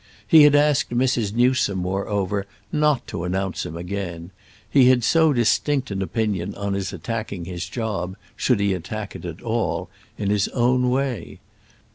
He had asked Mrs. Newsome moreover not to announce him again; he had so distinct an opinion on his attacking his job, should he attack it at all, in his own way.